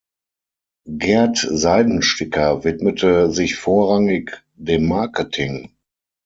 Gerd Seidensticker widmete sich vorrangig dem Marketing.